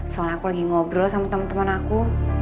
soalnya aku lagi ngobrol sama temen temen aku